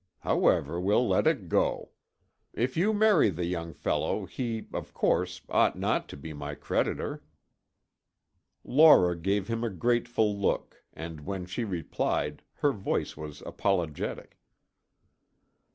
However, we'll let it go. If you marry the young fellow, he, of course, ought not to be my creditor." Laura gave him a grateful look and when she replied her voice was apologetic.